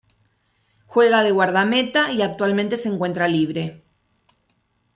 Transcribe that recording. Juega de guardameta y actualmente se encuentra libre.